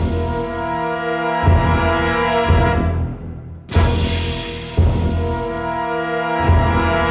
jangan lupa untuk berikan duit